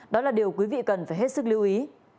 đó là điều quý vị cần phải hết sức lưu ý